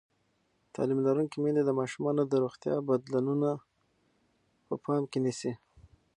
تعلیم لرونکې میندې د ماشومانو د روغتیا بدلونونه په پام کې نیسي.